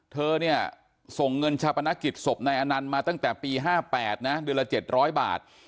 เธอส่งเงินชาปนกิจสบนายอันนันมาตั้งแต่ปี๕๘เดือนละ๗๐๐บาท